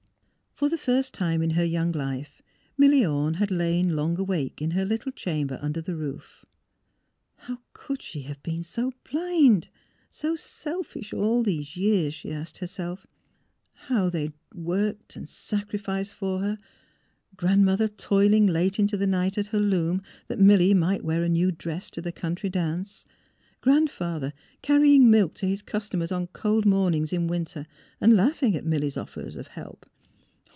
For the first time in her young life Milly Orne had lain long awake in her little chamber under the roof. How could she have been so blind — so selfish all these years, she asked herself. How they had worked and sacrificed for her — Grand mother toiling late into the night at her loom, that Milly might wear a new dress to the country dance; Grandfather carrying milk to his cus tomers on cold mornings in winter and laughing at Milly 's offers of help.